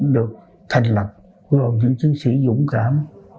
được thành lập gồm những chiến sĩ dũng cảm